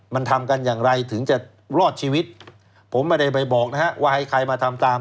มันทำกันอย่างไรถึงจะรอดชีวิตผมไม่ได้ไปบอกนะฮะว่าให้ใครมาทำตาม